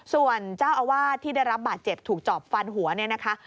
ส่วนเจ้าอาวาสที่ได้รับบาดเจ็บถูกจอบฟันหัวเนี่ยนะคะ